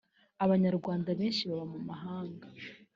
abanyarwanda beshi baba mumahanga.